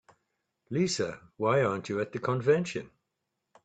Lisa, why aren't you at the convention?